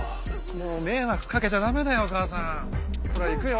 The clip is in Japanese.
もう迷惑かけちゃダメだよ母さんほら行くよ。